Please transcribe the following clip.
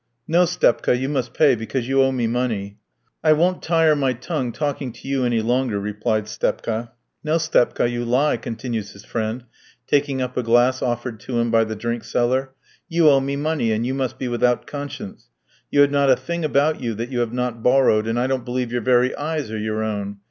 "No, Stepka, you must pay, because you owe me money." "I won't tire my tongue talking to you any longer," replied Stepka. "No, Stepka, you lie," continues his friend, taking up a glass offered to him by the drink seller. "You owe me money, and you must be without conscience. You have not a thing about you that you have not borrowed, and I don't believe your very eyes are your own.